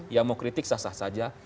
ya mau kritik sah sah saja